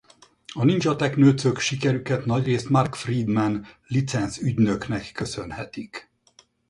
A Nindzsa Teknőcök sikerüket nagyrészt Mark Freedman licenc-ügynöknek köszönhetik.